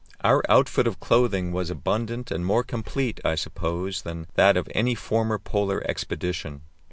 Our outfit of clothing was abundant and more complete, I suppose, than that of any former Polar expedition.